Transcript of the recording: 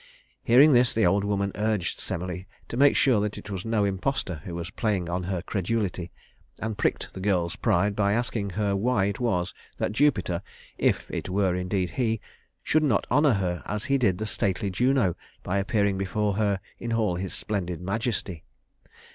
Hearing this, the old woman urged Semele to make sure that it was no impostor who was playing on her credulity, and pricked the girl's pride by asking her why it was that Jupiter if it were indeed he should not honor her as he did the stately Juno by appearing before her in all his splendid majesty.